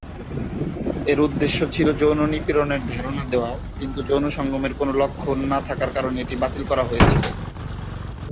এর উদ্দেশ্য ছিল যৌন নিপীড়নের ধারণা দেওয়া, কিন্তু যৌন সঙ্গমের কোন লক্ষণ না থাকার কারণে, এটি বাতিল করা হয়েছিল।